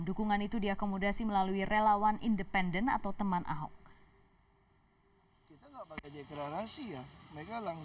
dukungan itu diakomodasi melalui relawan independen atau teman ahok